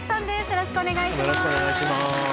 よろしくお願いします